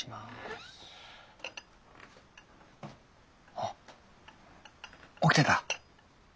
あっ起きてた？